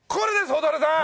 蛍原さん。